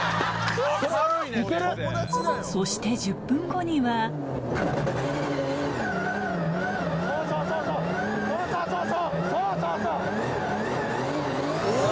そして１０分後にはおぉおぉ！